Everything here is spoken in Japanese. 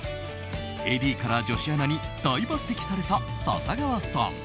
ＡＤから女子アナに大抜擢された笹川さん。